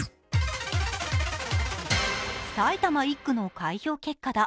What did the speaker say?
埼玉１区の開票結果だ。